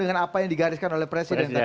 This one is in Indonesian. dengan apa yang digariskan oleh presiden tadi